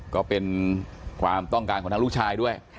ก็เป็นความต้องการของทางลูกชายด้วย